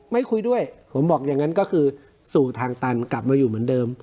คุยด้วยผมบอกอย่างนั้นก็คือสู่ทางตันกลับมาอยู่เหมือนเดิม